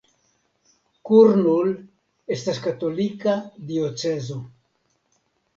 Kurnul estas katolika diocezo.